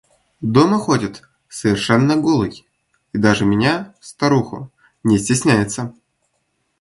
Дома ходит совершенно голой и даже меня, старуху, не стесняется.